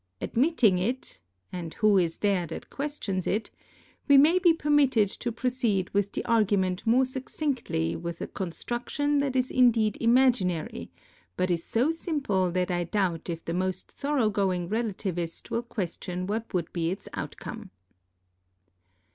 Admitting it — and who is there that questions it? — we may be permitted to proceed with the argument more succinctly with a construction that is indeed imaginary, but is so simple that I doubt if the most thoroughgoing Relativist will question what would be its outcome.